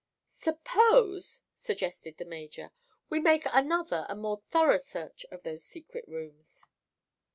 "Suppose," suggested the major, "we make another and more thorough search of those secret rooms."